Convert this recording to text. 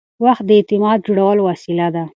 وخت د اعتماد جوړولو وسیله ده.